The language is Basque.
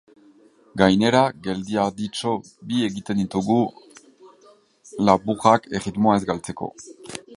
Gainera, geldialditxo bi egiten ditugu, laburrak, erritmoa ez galtzeko.